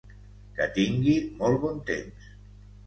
Que tingui molt bon temps!